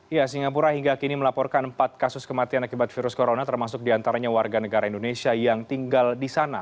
ya singapura hingga kini melaporkan empat kasus kematian akibat virus corona termasuk diantaranya warga negara indonesia yang tinggal di sana